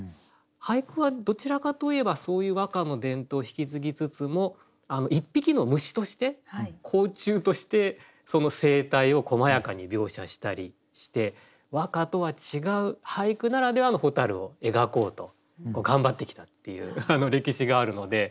俳句はどちらかといえばそういう和歌の伝統引き継ぎつつも一匹の虫として甲虫としてその生態をこまやかに描写したりして和歌とは違う俳句ならではの蛍を描こうと頑張ってきたっていう歴史があるので。